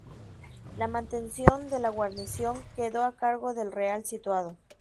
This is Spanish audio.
La mantención de la guarnición quedó a cargo del Real Situado.